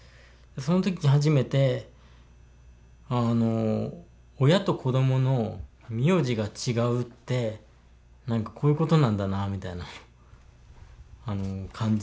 その時に初めてあの親と子どもの名字が違うってこういうことなんだなみたいなのを感じたというか。